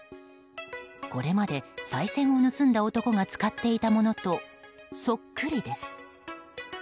これまで、さい銭を盗んだ男が使っていたものとそっくりです。